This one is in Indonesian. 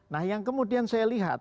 nah yang kemudian saya lihat